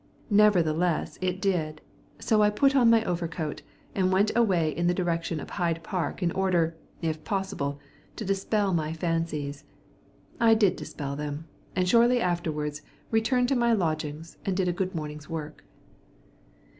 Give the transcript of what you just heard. Nevertheless it did, so I put on my overcoat, and went away in the direction of Hyde Park in order, if possible, to dispel my fancies. I did dispel them, and shortly afterwards returned to my lodgings, and did a good morning's work.